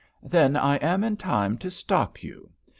"Then I am in time to stop you.